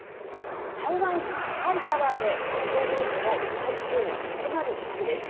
台湾一高いタワーで観光名所の台北１０１です。